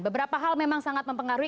beberapa hal memang sangat mempengaruhi